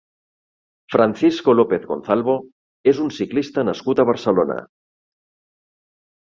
Francisco López Gonzalvo és un ciclista nascut a Barcelona.